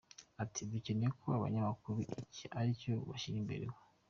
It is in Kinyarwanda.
Ati “Dukeneye ko abanyamakuru iki aricyo bashyira imbere ubu.